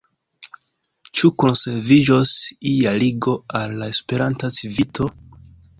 Ĉu konserviĝos ia ligo al la Esperanta Civito?